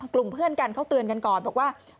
กลุ่มเพื่อนกันเขาเตือนกันก่อนบอกว่า